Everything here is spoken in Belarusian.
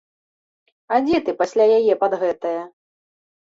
А дзе ты пасля яе пад гэтае?